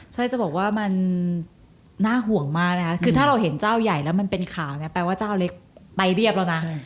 ใช่จะบอกว่ามันน่าห่วงมากนะคะคือถ้าเราเห็นเจ้าใหญ่แล้วมันเป็นข่าวเนี่ยแปลว่าเจ้าเล็กไปเรียบแล้วนะ